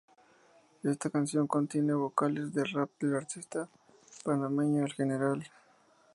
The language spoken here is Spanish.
Esta canción contiene vocales de rap del artista panameño El General.